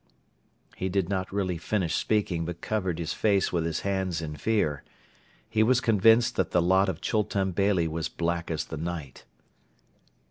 ..." He did not really finish speaking but covered his face with his hands in fear. He was convinced that the lot of Chultun Beyli was black as the night.